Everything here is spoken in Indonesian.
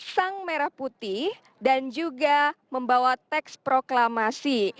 sang merah putih dan juga membawa teks proklamasi